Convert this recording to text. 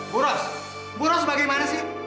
buros buros bagaimana sih